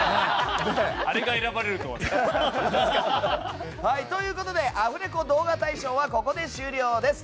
あれが選ばれるとはね。ということでアフレコ動画大賞はここで終了です。